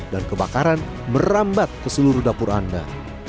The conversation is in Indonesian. dan kebakaran merambat ke seluruh dapur anda